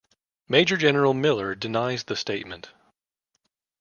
Major General Miller denies the statement.